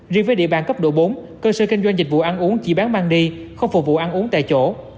riêng với địa bàn cấp độ bốn cơ sở kinh doanh dịch vụ ăn uống chỉ bán mang đi không phục vụ ăn uống tại chỗ